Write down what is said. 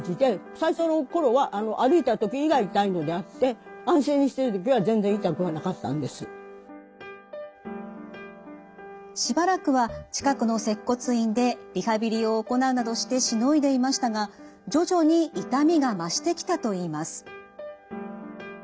最初の頃は歩いたときが痛いのであってしばらくは近くの接骨院でリハビリを行うなどしてしのいでいましたが徐々に痛みが増してきたと言います。